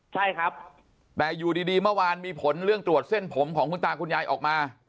ใช่ครับแต่อยู่ดีเมื่อวานมีผลเรื่องตรวจเส้นผมของคุณตาคุณยายออกมา